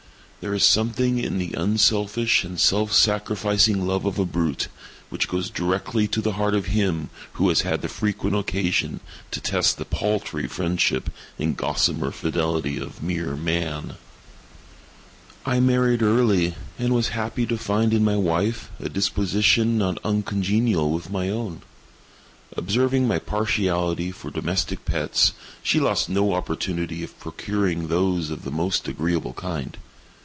There is something in the unselfish and self sacrificing love of a brute, which goes directly to the heart of him who has had frequent occasion to test the paltry friendship and gossamer fidelity of mere Man. I married early, and was happy to find in my wife a disposition not uncongenial with my own. Observing my partiality for domestic pets, she lost no opportunity of procuring those of the most agreeable kind.